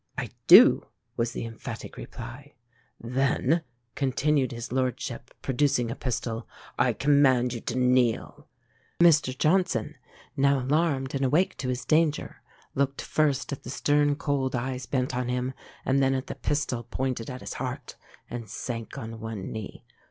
"I do," was the emphatic reply. "Then," continued his lordship, producing a pistol, "I command you to kneel." Mr Johnson, now alarmed and awake to his danger, looked first at the stern, cold eyes bent on him, and then at the pistol pointed at his heart, and sank on one knee.